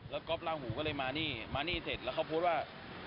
ก็กอล์ฟล่าหูก็เลยมานี่เสร็จแล้วเขาโพสต์ว่า